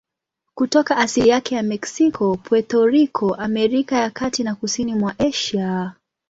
Kutoka asili yake ya Meksiko, Puerto Rico, Amerika ya Kati na kusini mwa Asia.